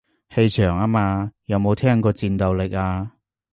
氣場吖嘛，有冇聽過戰鬥力啊